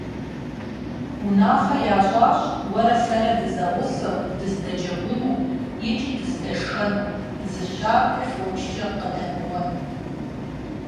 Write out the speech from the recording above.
Унафэ ящӀащ уэрэ сэрэ дызэгъусэу дыздэджэгуну, икӀи дыздэшхэну, зы щакӀуи фочкӀэ къыдэмыуэну.